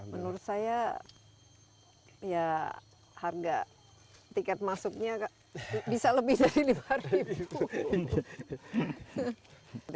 menurut saya ya harga tiket masuknya bisa lebih dari lima hari